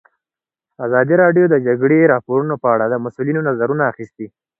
ازادي راډیو د د جګړې راپورونه په اړه د مسؤلینو نظرونه اخیستي.